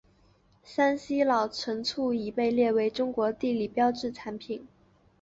山西老陈醋已经被列为中国地理标志产品。